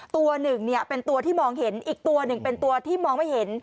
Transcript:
ตัวหนึ่งเนี่ยเป็นตัวที่มองเห็นอีกตัวหนึ่งเป็นตัวที่มองไม่เห็น